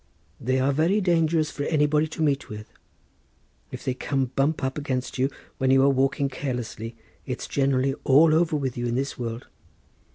They are very dangerous for anybody to meet with. If they come bump up against you when you are walking carelessly it's generally all over with you in this world.